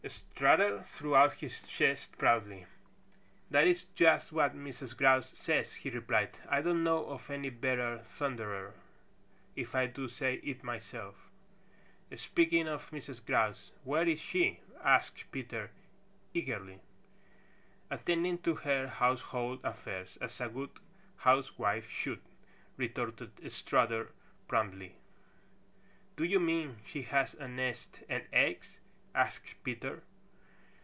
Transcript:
Strutter threw out his chest proudly. "That is just what Mrs. Grouse says," he replied. "I don't know of any better thunderer if I do say it myself." "Speaking of Mrs. Grouse, where is she?" asked Peter eagerly. "Attending to her household affairs, as a good housewife should," retorted Strutter promptly. "Do you mean she has a nest and eggs?" asked Peter.